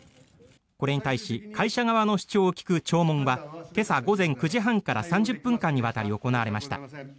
これに対し会社側の主張を聞く聴聞は今朝午前９時半から３０分間にわたり行われました。